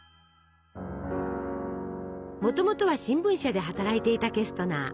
もともとは新聞社で働いていたケストナー。